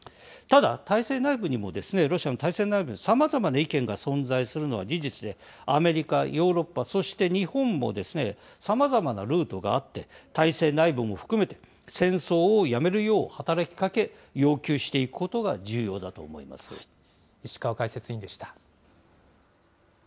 ただ体制内部にも、ロシアの体制内部にもさまざまな意見が存在するのは事実で、アメリカ、ヨーロッパ、そして日本も、さまざまなルートがあって、体制内部も含めて戦争をやめるよう働きかけ、要求していくことが重要だと思いま石川解説委員でした。